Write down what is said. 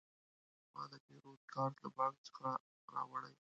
ما د پیرود کارت له بانک څخه راوړی.